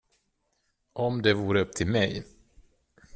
Om det vore upp till mig.